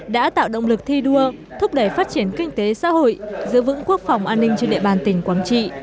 đã tạo động lực thi đua thúc đẩy phát triển kinh tế xã hội giữ vững quốc phòng an ninh trên địa bàn tỉnh quảng trị